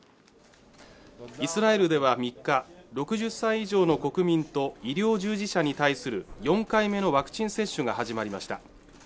イスラエルでは３日６０歳以上の国民と医療従事者に対する４回目のワクチン接種が始まりました